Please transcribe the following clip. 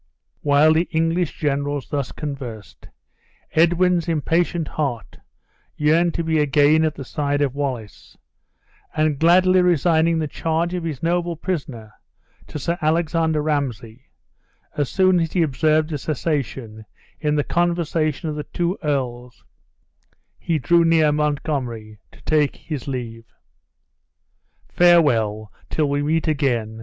While the English generals thus conversed, Edwin's impatient heart yearned to be again at the side of Wallace; and gladly resigning the charge of his noble prisoner to Sir Alexander Ramsay, as soon as he observed a cessation in the conversation of the two earls, he drew near Montgomery to take his leave. "Farewell, till we meet again!"